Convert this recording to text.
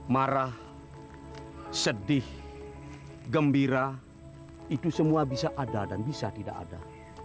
marah sedih gembira itu semua bisa ada dan bisa tidak ada